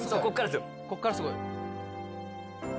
ここからすごい。